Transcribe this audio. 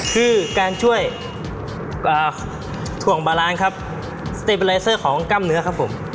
คือการช่วยอ่าถ่วงบาลานซ์ครับของกล้ามเนื้อครับผม